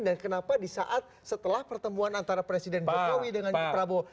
dan kenapa di saat setelah pertemuan antara presiden jokowi dengan prabowo